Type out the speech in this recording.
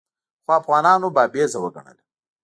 خو افغانانو بابیزه وګڼله.